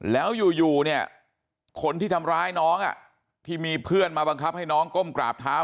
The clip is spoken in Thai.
แล้วอยู่เนี่ยคนที่ทำร้ายน้องที่มีเพื่อนมาบังคับให้น้องก้มกราบเท้า